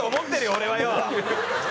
俺はよ！